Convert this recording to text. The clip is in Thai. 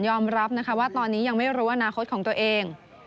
รับนะคะว่าตอนนี้ยังไม่รู้อนาคตของตัวเอง